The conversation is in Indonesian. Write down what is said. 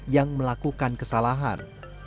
yang melakukan kesalahan